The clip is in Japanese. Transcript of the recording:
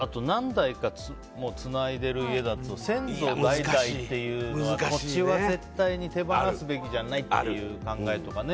あと何代かつないでいる家だと先祖代々っていうのは土地は絶対に手放すべきじゃないという考えとかね。